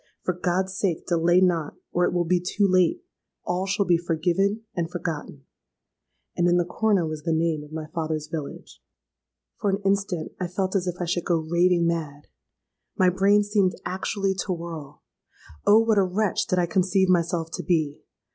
For God's sake, delay not; or it will be too late! All shall be forgiven and forgotten._'—And in the corner was the name of my father's village! "For an instant I felt as if I should go raving mad. My brain seemed actually to whirl. Oh! what a wretch did I conceive myself to be!